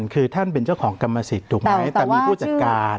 คือท่านเป็นเจ้าของกรรมสิทธิ์ถูกไหมแต่มีผู้จัดการ